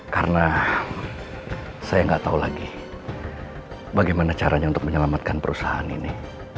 karena saya nggak tahu lagi bagaimana caranya untuk menyelamatkan perusahaan ini